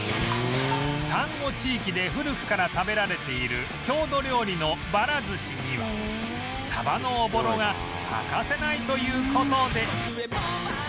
丹後地域で古くから食べられている郷土料理のばら寿司にはサバのおぼろが欠かせないという事で